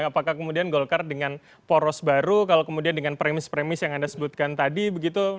apakah kemudian golkar dengan poros baru kalau kemudian dengan premis premis yang anda sebutkan tadi begitu